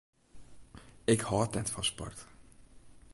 Ik hâld net fan sport.